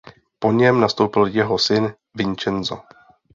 Po něm nastoupil jeho syn Vincenzo.